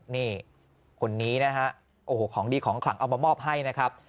นี่คนนี้นะฮะโอ้โหของดีของขลังเอามามอบให้นะครับ